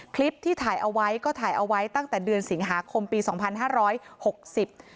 คลิปที่ถ่ายเอาไว้ก็ถ่ายเอาไว้ตั้งแต่เดือนสิงหาคมปีสองพันห้าร้อยหกสิบ